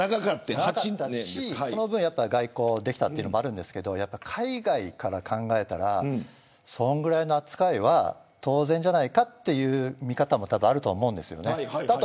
その分、外交できたというのもあるんですけれど海外から考えたらそのくらいの扱いは当然じゃないかという見方も多々あるとは思うんです。